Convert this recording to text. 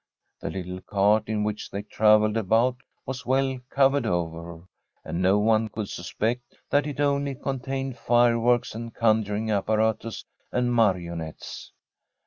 The little cart in which they travelled about was well covered over, and no one could suspect that it only contained fireworks and conjuring appa ratus and marionettes.